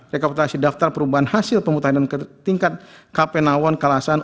rekruterasi daftar perubahan hasil pemutahan tingkat kpnawon kalasan